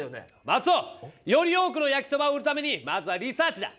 マツオ！より多くの焼きそばを売るためにまずはリサーチだ！